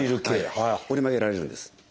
折り曲げられるんです。